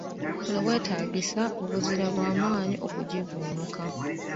Kino kyetaagisa obuzira bwa maanyi okugivvuunuka.